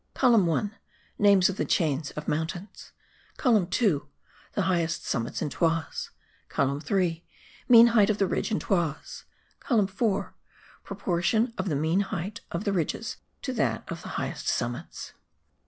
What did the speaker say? COLUMN 1 : NAMES OF THE CHAINS OF MOUNTAINS. COLUMN 2 : THE HIGHEST SUMMITS IN TOISES. COLUMN 3 : MEAN HEIGHT OF THE RIDGE IN TOISES. COLUMN 4 : PROPORTION OF THE MEAN HEIGHT OF THE RIDGES TO THAT A THE HIGHEST SUMMITS.